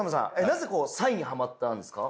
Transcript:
なぜサイにハマったんですか？